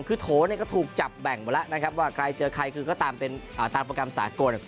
คือโถเนี่ยก็ถูกจับแบ่งไปแล้วนะครับว่าใครเจอใครคือก็ตามโปรแกรมสากล